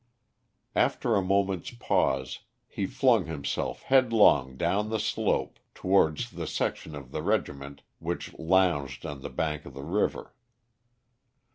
After a moment's pause he flung himself headlong down the slope towards the section of the regiment which lounged on the bank of the river.